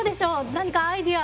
何かアイデア。